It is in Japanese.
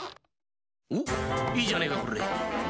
おいいじゃねえかこれ。